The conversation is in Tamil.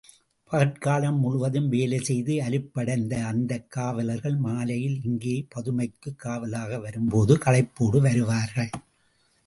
பகற்காலம் முழுவதும் வேலை செய்து அலுப்படைந்த அந்தக் காவலர்கள் மாலையில் இங்கே பதுமைக்குக் காவலாக வரும்போது களைப்போடு வருவார்கள்.